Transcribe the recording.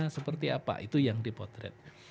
seperti apa itu yang dipotret